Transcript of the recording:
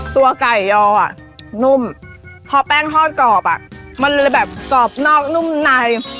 ตัวไก่ยอะนุ่มพอแป้งทอดกรอบอ่ะมันเลยแบบกรอบนอกนุ่มใน